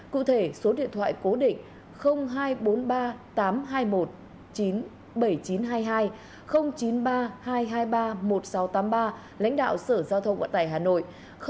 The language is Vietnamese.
cụ thể số điện thoại cố định hai trăm bốn mươi ba tám trăm hai mươi một chín mươi bảy nghìn chín trăm hai mươi hai chín mươi ba hai trăm hai mươi ba một nghìn sáu trăm tám mươi ba lãnh đạo sở giao thông vận tải hà nội